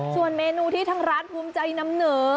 ส่วนเมนูที่ทางร้านภูมิใจนำเหนอ